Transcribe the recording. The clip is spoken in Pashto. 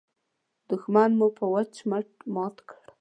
دوښمن مو په وچ مټ مات کړ.